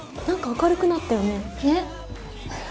何か明るくなったよね？